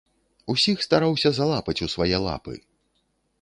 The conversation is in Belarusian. Усіх стараўся залапаць у свае лапы.